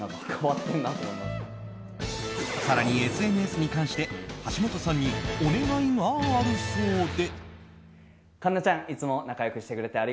更に、ＳＮＳに関して橋本さんにお願いがあるそうで。